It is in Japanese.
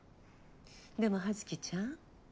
でも葉月ちゃん